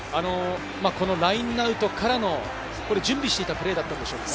ラインアウトからの準備していたプレーだったんでしょうか？